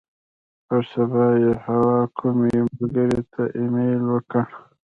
پر سبا یې حوا کومې ملګرې ته ایمیل وکړ.